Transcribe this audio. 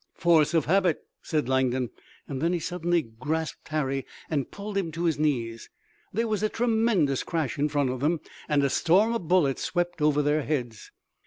"Force of habit," said Langdon, and then he suddenly grasped Harry and pulled him to his knees. There was a tremendous crash in front of them, and a storm of bullets swept over their heads.